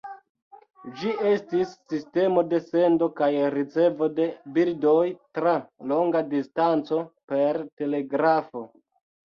Ĝi estis sistemo de sendo kaj ricevo de bildoj tra longa distanco, per telegrafo.